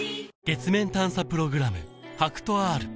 月面探査プログラム